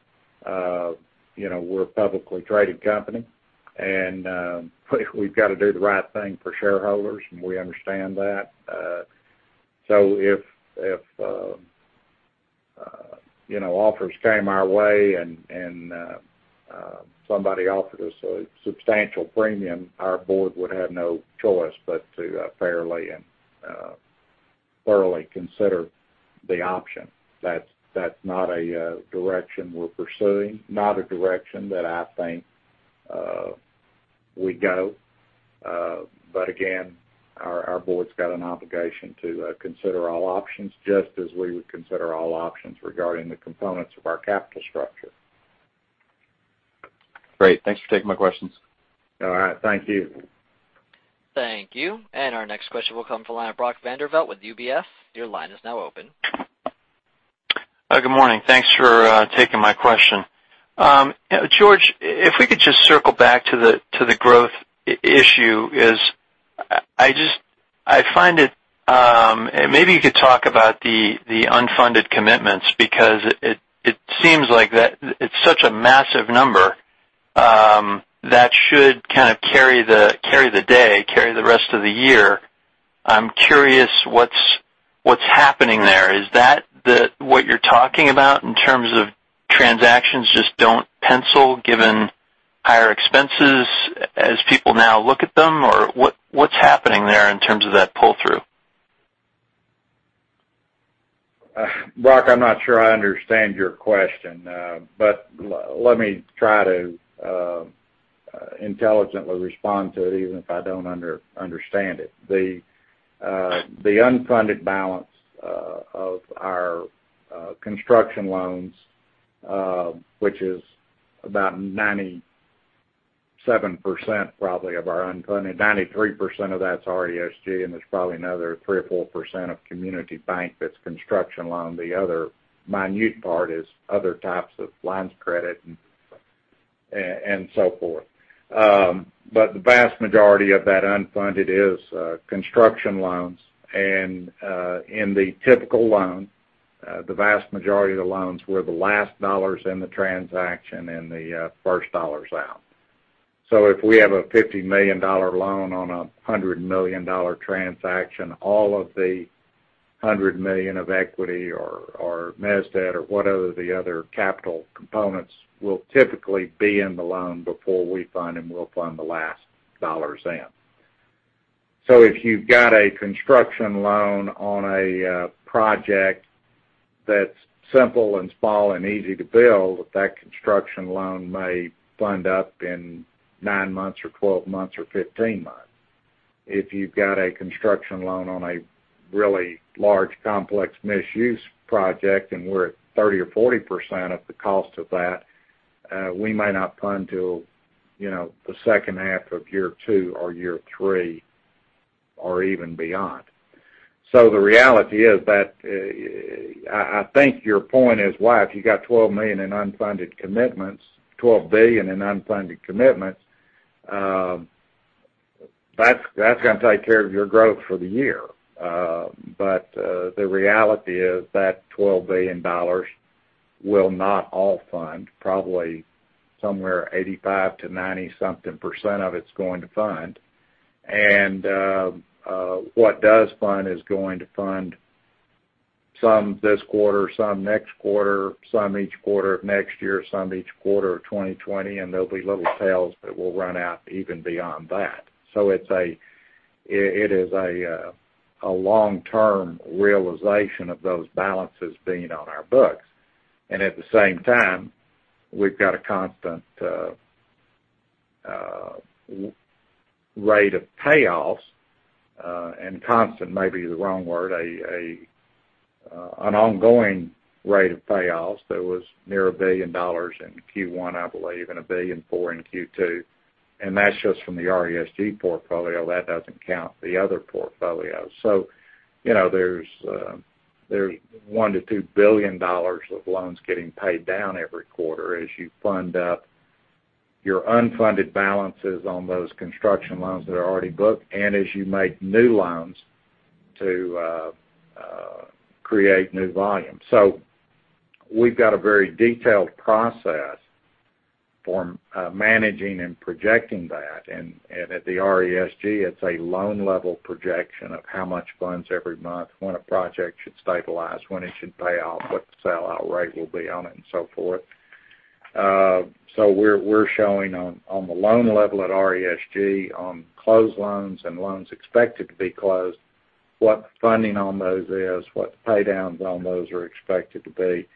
we're a publicly traded company, and we've got to do the right thing for shareholders, and we understand that. If offers came our way and somebody offered us a substantial premium, our board would have no choice but to fairly and thoroughly consider the option. That's not a direction we're pursuing, not a direction that I think we'd go. Again, our board's got an obligation to consider all options, just as we would consider all options regarding the components of our capital structure. Great. Thanks for taking my questions. All right. Thank you. Thank you. Our next question will come from the line of Brocker Vandervliet with UBS. Your line is now open. Good morning. Thanks for taking my question. George, if we could just circle back to the growth issue, maybe you could talk about the unfunded commitments, because it seems like that it's such a massive number that should kind of carry the day, carry the rest of the year. I'm curious what's happening there. Is that what you're talking about in terms of transactions just don't pencil given higher expenses as people now look at them? Or what's happening there in terms of that pull-through? Brock, I'm not sure I understand your question, let me try to intelligently respond to it even if I don't understand it. The unfunded balance of our construction loans, which is about 97%, probably, of our unfunded, 93% of that's RESG, and there's probably another 3% or 4% of community bank that's construction loan. The other minute part is other types of lines of credit and so forth. The vast majority of that unfunded is construction loans. In the typical loan, the vast majority of the loans were the last dollars in the transaction and the first dollars out. If we have a $50 million loan on a $100 million transaction, all of the $100 million of equity or mezz or whatever the other capital components will typically be in the loan before we fund, and we'll fund the last dollars in. If you've got a construction loan on a project that's simple and small and easy to build, that construction loan may fund up in nine months or 12 months or 15 months. If you've got a construction loan on a really large, complex mixed-use project, and we're at 30% or 40% of the cost of that, we may not fund till the second half of year two or year three, or even beyond. The reality is that, I think your point is, why, if you got $12 billion in unfunded commitments, that's going to take care of your growth for the year. The reality is that $12 billion will not all fund. Probably somewhere 85% to 90-something percent of it is going to fund. What does fund is going to fund some this quarter, some next quarter, some each quarter of next year, some each quarter of 2020, and there'll be little tails that will run out even beyond that. It is a long-term realization of those balances being on our books. At the same time, we've got a constant rate of payoffs. Constant may be the wrong word, an ongoing rate of payoffs that was near $1 billion in Q1, I believe, and $1.4 billion in Q2. That's just from the RESG portfolio. That doesn't count the other portfolios. There's $1 billion to $2 billion of loans getting paid down every quarter as you fund up your unfunded balances on those construction loans that are already booked and as you make new loans to create new volume. We've got a very detailed process for managing and projecting that. At the RESG, it's a loan-level projection of how much funds every month, when a project should stabilize, when it should pay off, what the sellout rate will be on it, and so forth. We're showing on the loan level at RESG on closed loans and loans expected to be closed, what the funding on those is, what the paydowns on those are expected to be.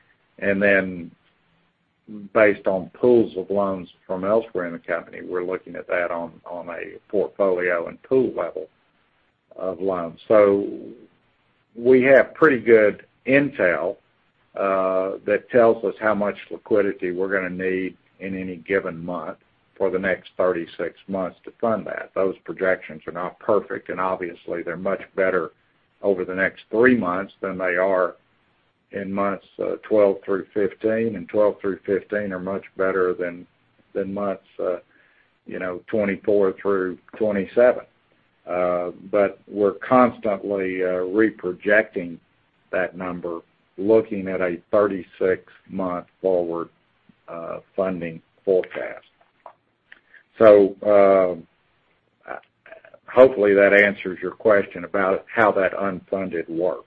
Based on pools of loans from elsewhere in the company, we're looking at that on a portfolio and pool level of loans. We have pretty good intel that tells us how much liquidity we're going to need in any given month for the next 36 months to fund that. Those projections are not perfect, obviously, they're much better over the next three months than they are in months 12 through 15, and 12 through 15 are much better than months 24 through 27. We're constantly re-projecting that number, looking at a 36-month forward funding forecast. Hopefully, that answers your question about how that unfunded works.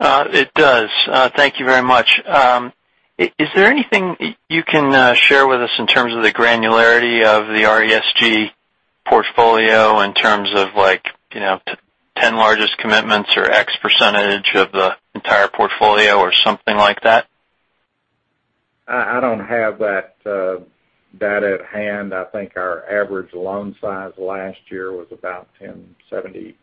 It does. Thank you very much. Is there anything you can share with us in terms of the granularity of the RESG portfolio in terms of 10 largest commitments or X% of the entire portfolio or something like that? I don't have that data at hand. I think our average loan size last year was about $10.77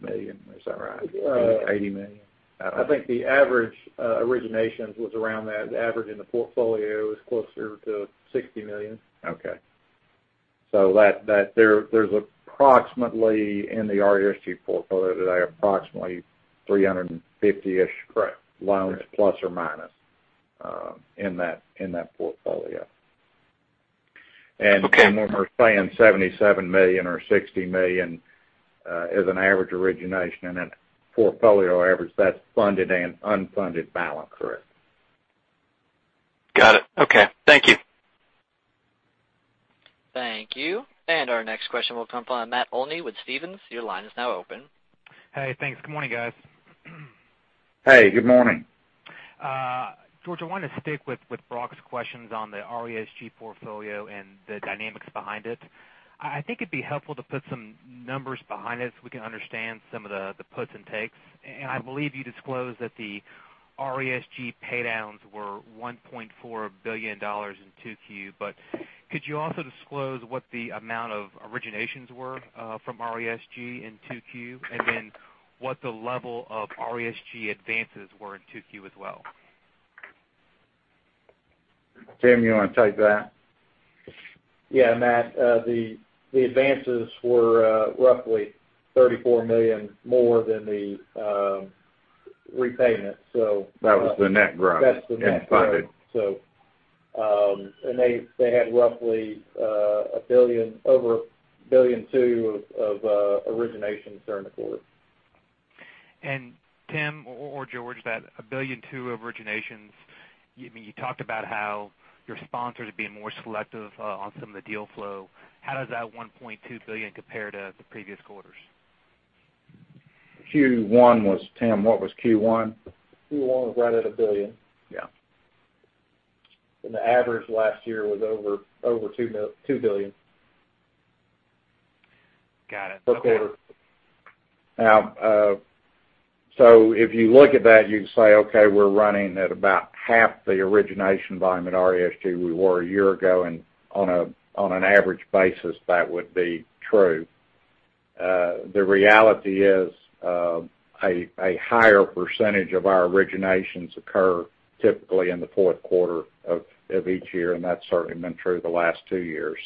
million. Is that right? $80 million? I think the average originations was around that. The average in the portfolio is closer to $60 million. Okay. There's approximately in the RESG portfolio today, approximately 350-ish. Correct loans, plus or minus, in that portfolio. Okay. When we're saying $77 million or $60 million as an average origination and a portfolio average, that's funded and unfunded balance. Correct. Got it. Okay. Thank you. Thank you. Our next question will come from Matt Olney with Stephens. Your line is now open. Hey, thanks. Good morning, guys. Hey, good morning. George, I want to stick with Brock's questions on the RESG portfolio and the dynamics behind it. I think it'd be helpful to put some numbers behind it so we can understand some of the puts and takes. I believe you disclosed that the RESG paydowns were $1.4 billion in Q2. Could you also disclose what the amount of originations were from RESG in Q2? What the level of RESG advances were in Q2 as well? Tim, you want to take that? Yeah, Matt, the advances were roughly $34 million, more than the repayment. That was the net growth. That's the net growth. Yes. They had roughly over $1.2 billion of originations during the quarter. Tim or George, that $1.2 billion of originations, you talked about how your sponsors are being more selective on some of the deal flow. How does that $1.2 billion compare to the previous quarters? Q1 was Tim, what was Q1? Q1 was right at $1 billion. Yeah. The average last year was over $2 billion. Got it. Okay. If you look at that, you can say, okay, we're running at about half the origination volume at RESG we were a year ago, and on an average basis, that would be true. The reality is, a higher percentage of our originations occur typically in the fourth quarter of each year, and that's certainly been true the last two years.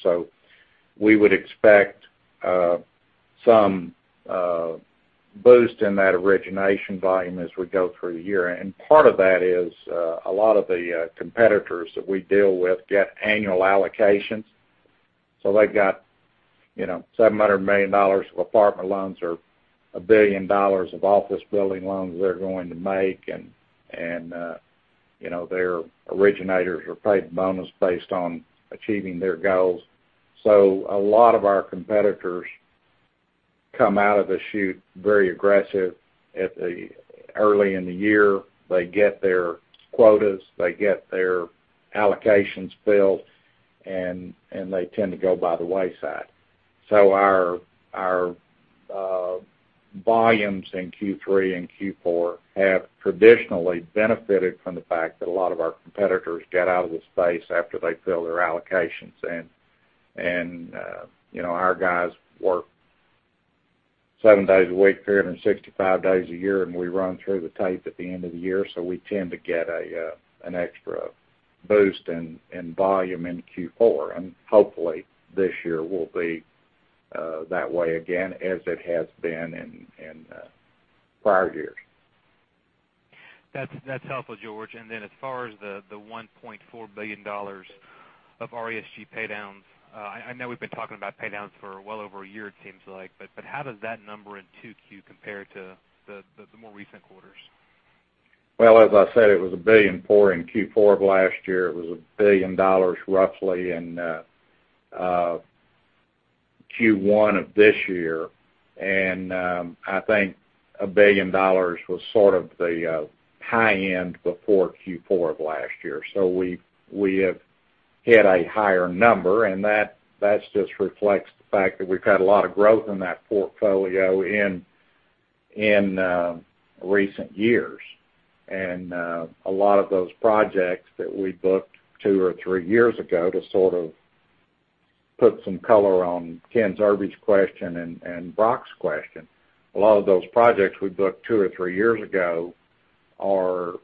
We would expect some boost in that origination volume as we go through the year. Part of that is, a lot of the competitors that we deal with get annual allocations. They've got $700 million of apartment loans or $1 billion of office building loans they're going to make, and their originators are paid bonus based on achieving their goals. A lot of our competitors come out of the chute very aggressive early in the year. They get their quotas, they get their allocations built, and they tend to go by the wayside. Our volumes in Q3 and Q4 have traditionally benefited from the fact that a lot of our competitors get out of the space after they fill their allocations. Our guys work 7 days a week, 365 days a year, and we run through the tape at the end of the year, so we tend to get an extra boost in volume into Q4. Hopefully, this year will be that way again, as it has been in prior years. That's helpful, George. As far as the $1.4 billion of RESG paydowns, I know we've been talking about paydowns for well over a year it seems like, but how does that number in 2Q compare to the more recent quarters? As I said, it was $1.4 billion in Q4 of last year. It was $1 billion roughly in Q1 of this year. I think $1 billion was sort of the high end before Q4 of last year. We have hit a higher number, and that just reflects the fact that we've had a lot of growth in that portfolio in recent years. A lot of those projects that we booked two or three years ago, to sort of put some color on Ken Zerbe's question and Brock's question, a lot of those projects we booked two or three years ago are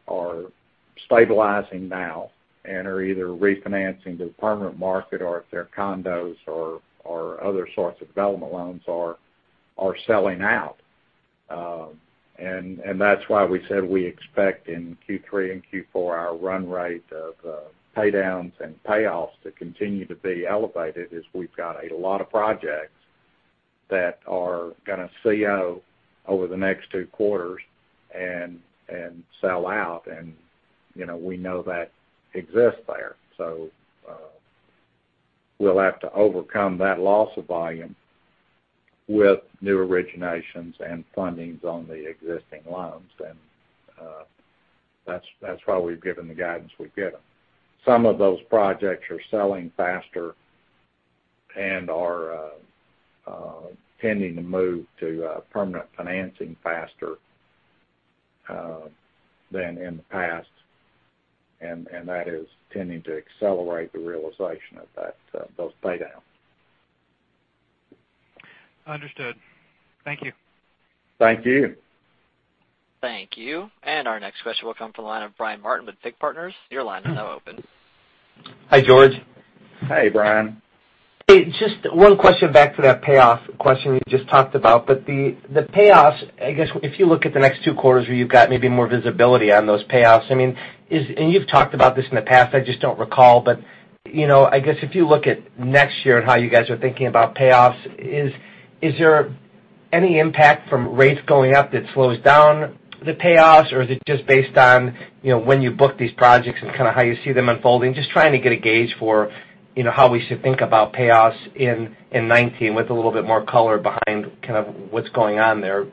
stabilizing now and are either refinancing to the permanent market or if they're condos or other sorts of development loans, are selling out. That's why we said we expect in Q3 and Q4, our run rate of paydowns and payoffs to continue to be elevated, as we've got a lot of projects that are going to CO over the next two quarters and sell out. We know that exists there. We'll have to overcome that loss of volume with new originations and fundings on the existing loans. That's why we've given the guidance we've given. Some of those projects are selling faster and are tending to move to permanent financing faster than in the past. That is tending to accelerate the realization of those paydowns. Understood. Thank you. Thank you. Thank you. Our next question will come from the line of Brian Martin with FIG Partners. Your line is now open. Hi, George. Hi, Brian. Hey, just one question back to that payoff question you just talked about. The payoffs, I guess if you look at the next two quarters where you've got maybe more visibility on those payoffs, and you've talked about this in the past, I just don't recall, but I guess if you look at next year and how you guys are thinking about payoffs, is there any impact from rates going up that slows down the payoffs? Or is it just based on when you book these projects and kind of how you see them unfolding? Just trying to get a gauge for how we should think about payoffs in 2019 with a little bit more color behind kind of what's going on there.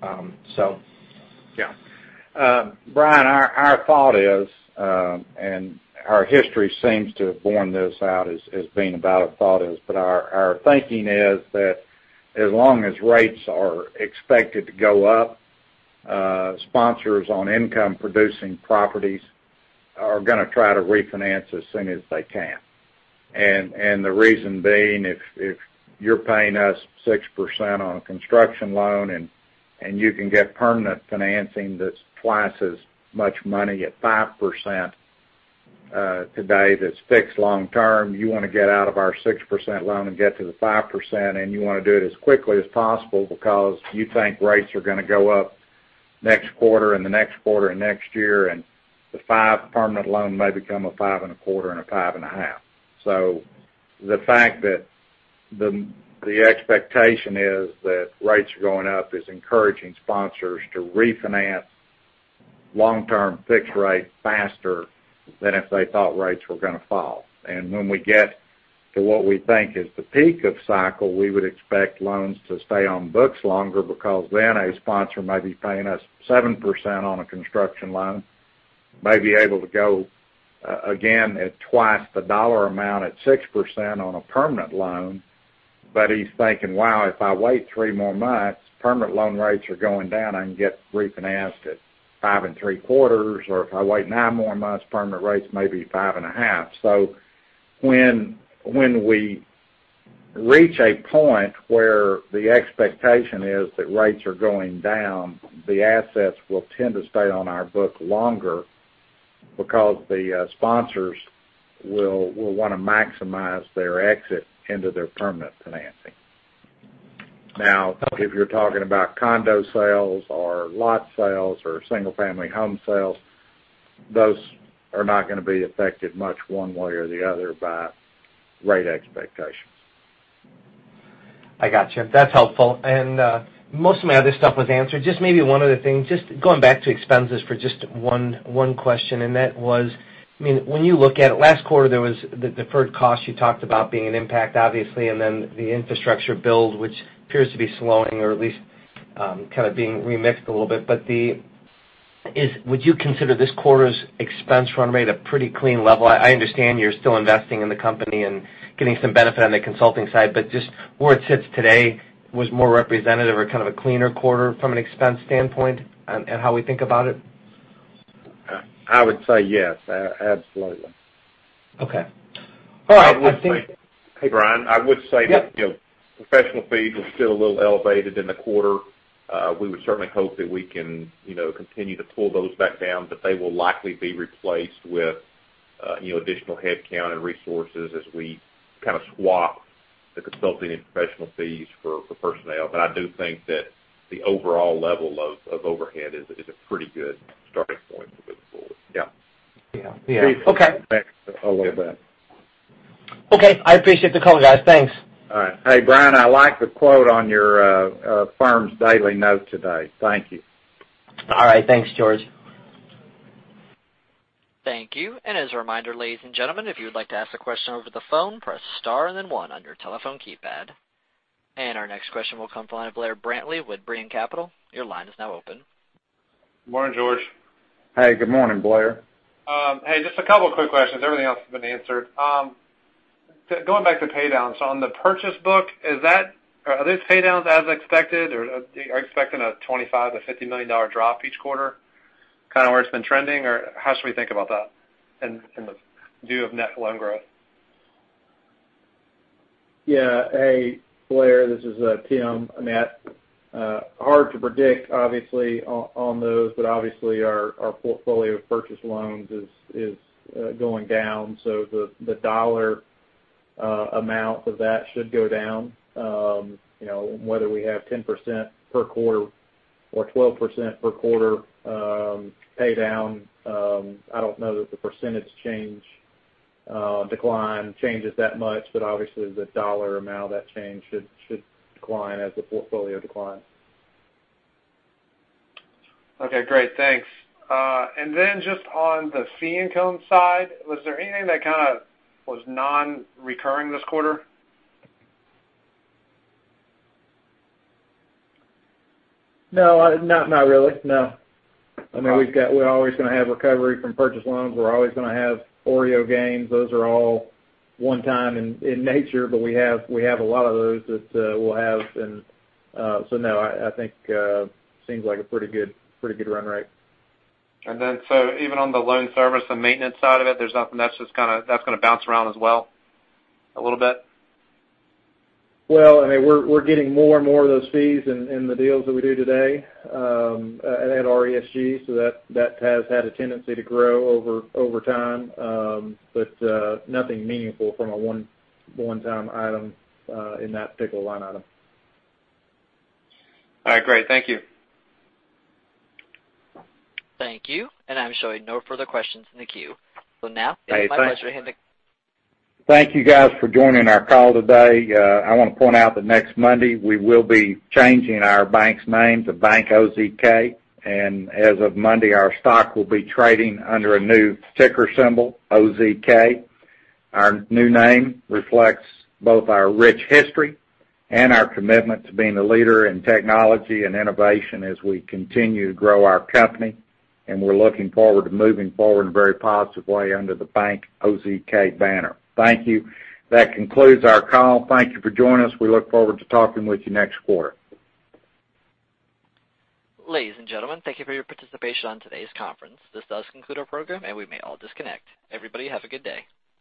Yeah. Brian, our thought is, and our history seems to have borne this out as being about our thought is, but our thinking is that as long as rates are expected to go up, sponsors on income-producing properties are going to try to refinance as soon as they can. The reason being, if you're paying us 6% on a construction loan, you can get permanent financing that's twice as much money at 5% today that's fixed long-term. You want to get out of our 6% loan and get to the 5%, and you want to do it as quickly as possible because you think rates are going to go up next quarter and the next quarter and next year. The 5% permanent loan may become a 5.25% and a 5.5%. The fact that the expectation is that rates are going up is encouraging sponsors to refinance long-term fixed rate faster than if they thought rates were going to fall. When we get to what we think is the peak of cycle, we would expect loans to stay on books longer because then a sponsor may be paying us 7% on a construction loan, may be able to go, again, at twice the dollar amount at 6% on a permanent loan. He's thinking, "Wow, if I wait three more months, permanent loan rates are going down. I can get refinanced at five and three quarters, or if I wait nine more months, permanent rates may be five and a half." When we reach a point where the expectation is that rates are going down, the assets will tend to stay on our book longer because the sponsors will want to maximize their exit into their permanent financing. Now, if you're talking about condo sales or lot sales or single-family home sales, those are not going to be affected much one way or the other by rate expectations. I got you. That's helpful. Most of my other stuff was answered. Just maybe one other thing, just going back to expenses for just one question, and that was, when you look at it, last quarter, there was the deferred cost you talked about being an impact, obviously, and then the infrastructure build, which appears to be slowing or at least kind of being remixed a little bit. Would you consider this quarter's expense run rate a pretty clean level? I understand you're still investing in the company and getting some benefit on the consulting side, but just where it sits today, was more representative or kind of a cleaner quarter from an expense standpoint and how we think about it? I would say yes, absolutely. Okay. All right. Hey, Brian. Yep Professional fees are still a little elevated in the quarter. We would certainly hope that we can continue to pull those back down, they will likely be replaced with additional headcount and resources as we kind of swap the consulting and professional fees for personnel. I do think that the overall level of overhead is a pretty good starting point to move forward. Yeah. Yeah. Okay. A little bit. Okay. I appreciate the color, guys. Thanks. All right. Hey, Brian, I like the quote on your firm's daily note today. Thank you. All right. Thanks, George. Thank you. As a reminder, ladies and gentlemen, if you would like to ask a question over the phone, press star and then one on your telephone keypad. Our next question will come the line of Blair Brantley with Brean Capital. Your line is now open. Good morning, George. Hey, good morning, Blair. Hey, just a couple of quick questions. Everything else has been answered. Going back to pay downs. On the purchase book, are these pay downs as expected, or are you expecting a $25 million-$50 million drop each quarter, kind of where it's been trending? How should we think about that in the view of net loan growth? Yeah. Hey, Blair, this is Tim Hicks. Hard to predict, obviously, on those, but obviously, our portfolio of purchase loans is going down. The dollar amount of that should go down. Whether we have 10% per quarter or 12% per quarter pay down, I don't know that the percentage decline changes that much. Obviously, the dollar amount of that change should decline as the portfolio declines. Okay, great. Thanks. Just on the fee income side, was there anything that kind of was non-recurring this quarter? No, not really. No. We're always going to have recovery from purchase loans. We're always going to have OREO gains. Those are all one time in nature. We have a lot of those that we'll have. No, I think it seems like a pretty good run rate. Even on the loan service and maintenance side of it, there's nothing, that's going to bounce around as well a little bit? Well, we're getting more and more of those fees in the deals that we do today at RESG. That has had a tendency to grow over time. Nothing meaningful from a one-time item in that particular line item. All right, great. Thank you. Thank you. I'm showing no further questions in the queue. Hey, thanks. it's my pleasure to hand it-- Thank you guys for joining our call today. I want to point out that next Monday, we will be changing our bank's name to Bank OZK. As of Monday, our stock will be trading under a new ticker symbol, OZK. Our new name reflects both our rich history and our commitment to being a leader in technology and innovation as we continue to grow our company. We're looking forward to moving forward in a very positive way under the Bank OZK banner. Thank you. That concludes our call. Thank you for joining us. We look forward to talking with you next quarter. Ladies and gentlemen, thank you for your participation on today's conference. This does conclude our program, and we may all disconnect. Everybody, have a good day.